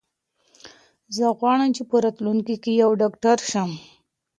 زه غواړم چې په راتلونکي کې یو ډاکټر شم.